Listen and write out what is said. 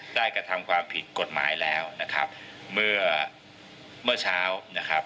กระทำความผิดกฎหมายแล้วนะครับเมื่อเมื่อเช้านะครับ